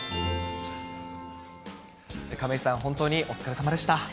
亀井さん、本当にお疲れさまでした。